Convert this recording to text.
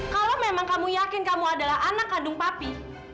kalau memang kamu yakin kamu adalah anak kandung papi